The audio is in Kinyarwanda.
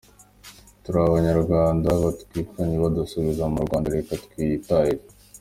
Turi abanyarwanda batwirukanye badusubiza mu Rwanda reka twitahire’.